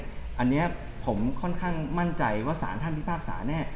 อันนี้ผมค่อนข้างมั่นใจว่าสารท่านพิพากษาแน่